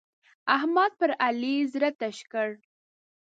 احمد پر علي زړه تش کړ.